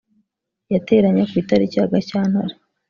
yateranye ku itariki ya gashyantare